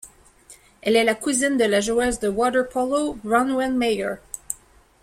Elle est la cousine de la joueuse de water-polo Bronwyn Mayer.